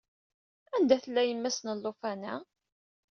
Anda tella yemma-s n ulufan-a?